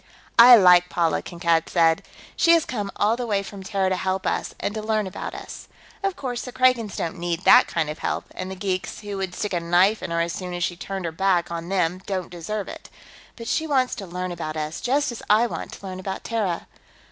"I like Paula," Kankad said. "She has come all the way from Terra to help us, and to learn about us. Of course, the Kragans don't need that kind of help, and the geeks, who would stick a knife in her as soon as she turned her back on them, don't deserve it. But she wants to learn about us, just as I want to learn about Terra.